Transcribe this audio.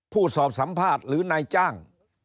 สอบสัมภาษณ์หรือนายจ้าง